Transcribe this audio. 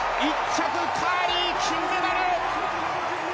１着カーリー金メダル！